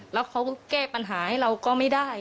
แล้วเขาแก้ปัญหาให้เราก็ไม่ได้